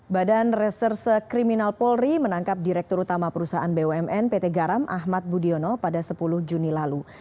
badan reserse kriminal polri menangkap direktur utama perusahaan bumn pt garam ahmad budiono pada sepuluh juni lalu